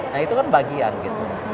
nah itu kan bagian gitu